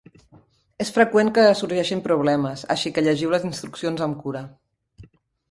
És freqüent que sorgeixin problemes, així que llegiu les instruccions amb cura.